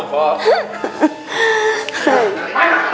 ini udah ditangguh